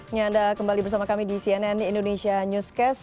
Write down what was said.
ini anda kembali bersama kami di cnn indonesia newscast